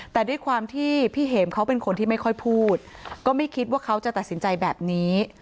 แต่ด้วยความที่พี่เห็มเขาเป็นคนที่ไม่ค่อยพูดก็ไม่คิดว่าเขาจะตัดสินใจแบบนี้